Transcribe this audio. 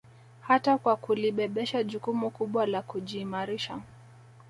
Hata kwa kulibebesha jukumu kubwa la kujiimarisha